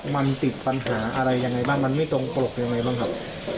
มันติดปัญหาอะไรยังไงบ้างมันไม่ตรงปลกยังไงบ้างครับ